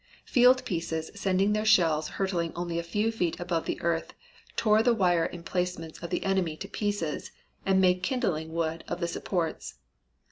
Field pieces sending their shells hurtling only a few feet above the earth tore the wire emplacements of the enemy to pieces and made kindling wood of the supports.